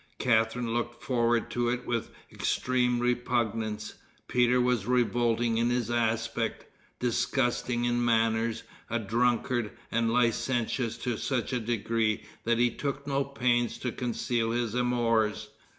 Catharine looked forward to it with extreme repugnance. Peter was revolting in his aspect, disgusting in manners, a drunkard, and licentious to such a degree that he took no pains to conceal his amours.